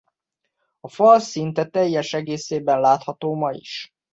A fal szinte teljes egészében látható ma is.